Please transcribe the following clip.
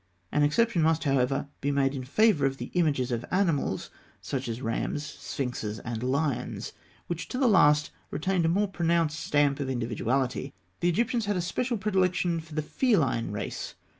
An exception must, however, be made in favour of the images of animals, such as rams, sphinxes, and lions, which to the last retained a more pronounced stamp of individuality. The Egyptians had a special predilection for the feline race.